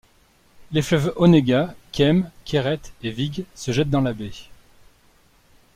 Les fleuves Onega, Kem, Keret et Vyg se jettent dans la baie.